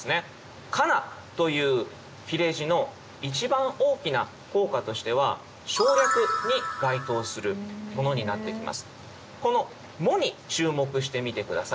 「かな」という切れ字の一番大きな効果としては「省略」に該当するものになってきます。